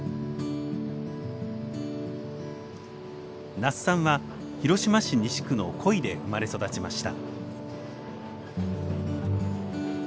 那須さんは広島市西区の己斐で生まれ育ちました。